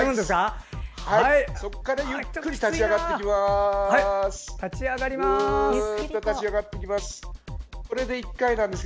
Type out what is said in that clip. そこからゆっくりと立ち上がります。